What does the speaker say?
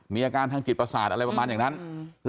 มีอาการทางจิตประสาทอะไรประมาณอย่างนั้น